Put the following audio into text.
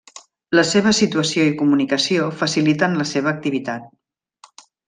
La seva situació i comunicació faciliten la seva activitat.